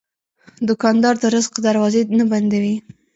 دوکاندار د رزق دروازې نه بندوي.